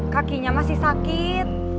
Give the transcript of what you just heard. kakinya masih sakit